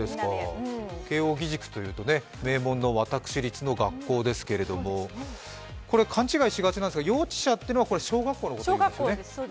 慶応義塾というと名門の私立の学校ですけれども、勘違いしがちなんですが、幼稚舎というのは小学校のことなんですよね。